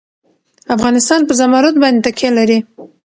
افغانستان په زمرد باندې تکیه لري.